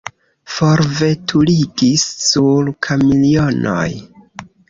Forveturigis sur kamionoj.